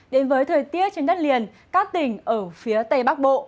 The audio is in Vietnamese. đến với thời tiết trên đất liền các tỉnh ở phía tây bắc bộ